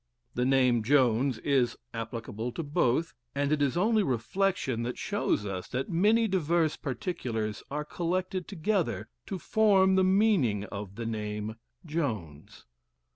The name "Jones" is applicable to both, and it is only reflection that shows us that many diverse particulars are collected together to form the meaning of the name "Jones."